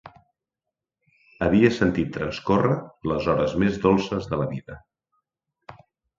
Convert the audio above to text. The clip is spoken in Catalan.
Havia sentit transcórrer les hores més dolces de la vida.